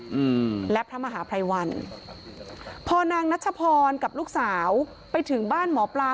อืมและพระมหาภัยวันพอนางนัชพรกับลูกสาวไปถึงบ้านหมอปลา